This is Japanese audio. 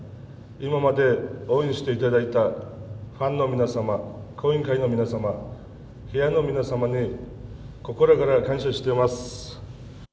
今まで応援していただいたファンの皆様、後援会の皆様部屋の皆様に心から感謝してます。